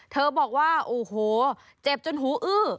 บอกว่าโอ้โหเจ็บจนหูอื้อ